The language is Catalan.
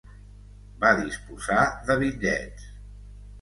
Va disposar de bitllets.